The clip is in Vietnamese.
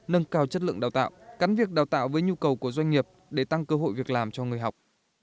nâng cao chất lượng đào tạo cắn việc đào tạo với nhu cầu của doanh nghiệp để tăng cơ hội việc làm cho người học